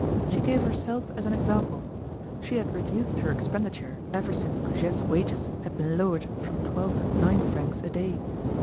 She gave herself as an example; she had reduced her expenditure ever since Goujet's wages had been lowered from twelve to nine francs a day.